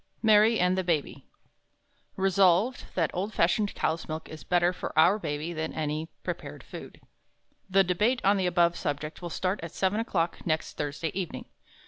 _ Mary and the Baby "Resolved, that old fashioned cow's milk is better for Our Baby, than any prepared food." The debate on the above subject will start at seven o'clock next Thursday evening.